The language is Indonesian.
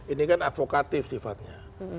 ini kan advokatif sifatnya